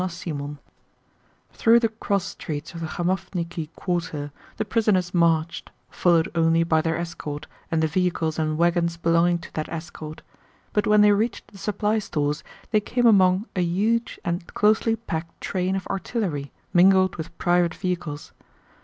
CHAPTER XIV Through the cross streets of the Khamóvniki quarter the prisoners marched, followed only by their escort and the vehicles and wagons belonging to that escort, but when they reached the supply stores they came among a huge and closely packed train of artillery mingled with private vehicles.